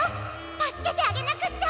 たすけてあげなくっちゃ！